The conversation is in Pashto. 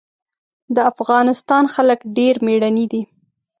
د افغانستان خلک ډېر مېړني دي.